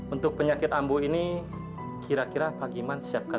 untuk penyakit ambu ini kira kira pak giman siapkan